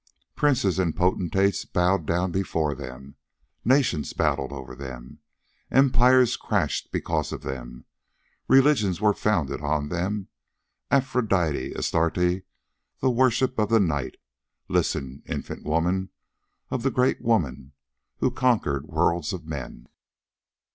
Princes and potentates bowed down before them. Nations battled over them. Empires crashed because of them. Religions were founded on them. Aphrodite, Astarte, the worships of the night listen, infant woman, of the great women who conquered worlds of men."